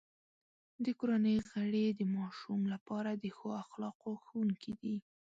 د کورنۍ غړي د ماشوم لپاره د اخلاقو ښوونکي دي.